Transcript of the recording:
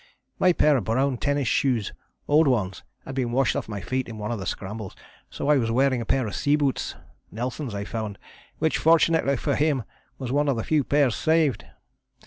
My pair of brown tennis shoes (old ones) had been washed off my feet in one of the scrambles, so I was wearing a pair of sea boots Nelson's, I found which, fortunately for him, was one of the few pairs saved.